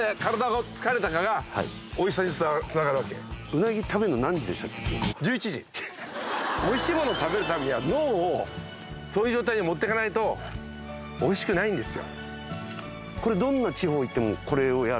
思ったかもしれないおいしいものを食べるためには脳をそういう状態にもっていかないとおいしくないんですよ